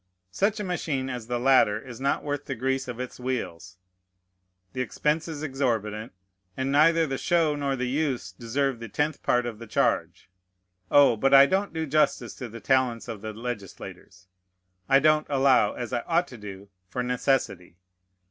Such a machine as the latter is not worth the grease of its wheels. The expense is exorbitant; and neither the show nor the use deserve the tenth part of the charge. Oh! but I don't do justice to the talents of the legislators: I don't allow, as I ought to do, for necessity.